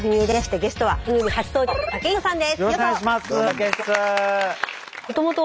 そしてゲストは番組初登場武井壮さんです。